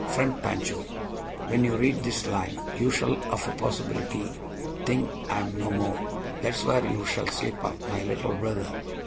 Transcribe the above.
Friend Pancho: When you read this line you shall of a possibility think I am no more. That is where you shall slip up, my little brother!